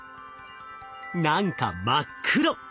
何か真っ黒！